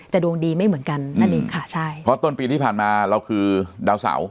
ดวงดีไม่เหมือนกันนั่นเองค่ะใช่เพราะต้นปีที่ผ่านมาเราคือดาวเสา